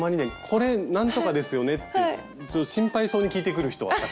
これなんとかですよね？って心配そうに聞いてくる人はたくさんいます。